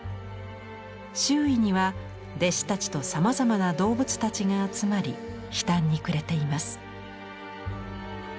周囲には弟子たちとさまざまな動物たちが集まり悲嘆にくれています。